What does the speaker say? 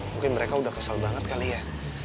mungkin mereka udah kesal banget kali ya